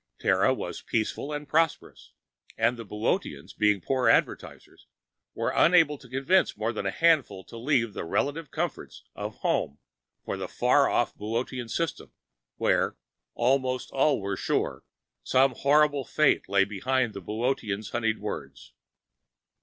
Terra was peaceful and prosperous, and the Boöteans, being poor advertisers, were unable to convince more than a handful to leave the relative comforts of home for the far off Boötean system where, almost all were sure, some horrible fate lay behind the Boöteans' honeyed words.